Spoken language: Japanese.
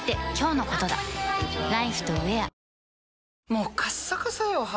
もうカッサカサよ肌。